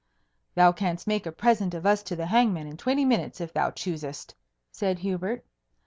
"Thou canst make a present of us to the hangman in twenty minutes if thou choosest," said Hubert.